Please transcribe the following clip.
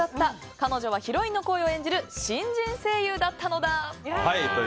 彼女はヒロインの声を演じる新人声優だったのだ。